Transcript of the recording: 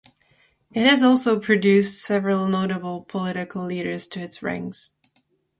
It has also produced several notable political leaders to its ranks.